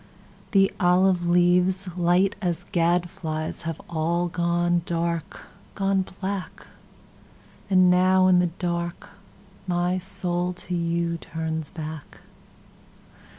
The olive leaves, light as gad flies, Have all gone dark, gone black. And now in the dark my soul to youTurns back.